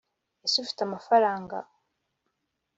ese ufite amafaranga?